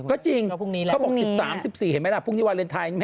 ก็จริงเขาบอก๑๓๑๔เห็นไหมล่ะพรุ่งนี้วาเลนไทย